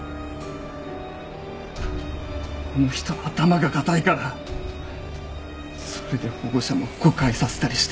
あの人は頭が固いからそれで保護者も誤解させたりして。